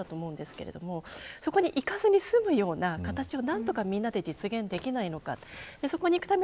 それは幸せなことだと思うんですけど、そこにいかずに済むような形を何とかみんなで実現できないか。